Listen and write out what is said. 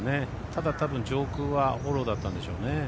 ただ、たぶん上空はフォローだったんでしょうね。